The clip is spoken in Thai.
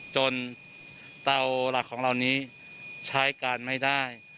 เตาหลักของเรานี้ใช้การไม่ได้